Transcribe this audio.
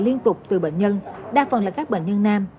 liên tục từ bệnh nhân đa phần là các bệnh nhân nam